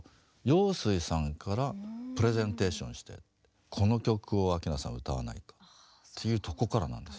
陽水さんからプレゼンテーションして「この曲を明菜さん歌わないか」っていうとこからなんです。